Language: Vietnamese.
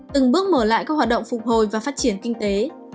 từng bước mở lại các hoạt động phục hồi và phát triển kinh tế